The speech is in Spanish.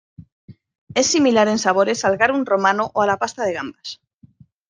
Es similar en sabores al garum romano o a la pasta de gambas.